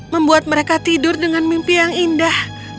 membuat mereka tidur dengan mimpi yang indah